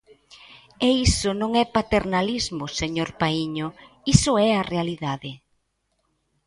E iso non é paternalismo, señor Paíño, iso é a realidade.